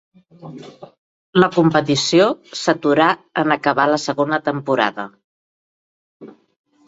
La competició s'aturà en acabar la segona temporada.